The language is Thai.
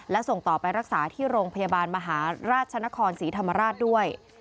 และส่งต่อไปรักษาที่โรงพยาบาลมหาราชนครศรีธรรมราชด้วย